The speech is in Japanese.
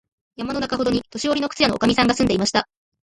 村のなかほどに、年よりの靴屋のおかみさんが住んでいました。